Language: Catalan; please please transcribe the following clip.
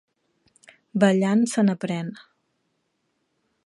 Ballant se n'aprèn.